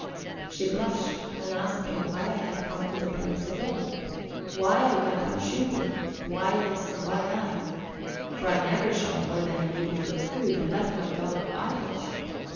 She blushed, and asked me why I had come to the place at all? Why I went out shooting, and why this and why that? For I never shot more than I needed for food, and left my dog idle...